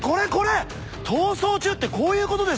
『逃走中』ってこういうことでしょ？